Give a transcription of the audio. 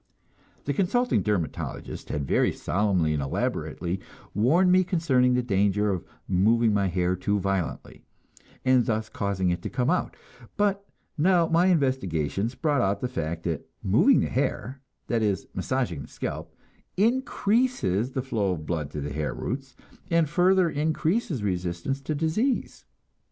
The "consulting dermatologist" had very solemnly and elaborately warned me concerning the danger of moving my hair too violently, and thus causing it to come out; but now my investigations brought out the fact that moving the hair, that is, massaging the scalp, increases the flow of blood to the hair roots, and further increases resistance to disease.